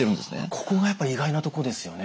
ここがやっぱり意外なところですよね。